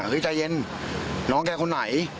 ใจเย็นน้องแกคนไหน